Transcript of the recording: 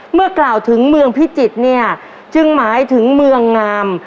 เมื่อกล่าวถึงเมืองพิจิตรเนี่ยจึงหมายถึงเมืองงาม